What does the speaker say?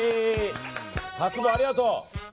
辰坊、ありがとう！